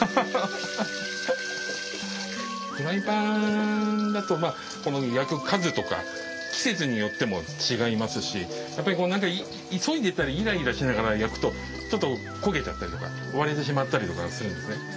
フライパンだとこの焼く数とか季節によっても違いますしやっぱりこう急いでたりイライラしながら焼くとちょっと焦げちゃったりとか割れてしまったりとかするんですね。